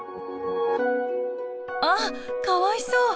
あかわいそう！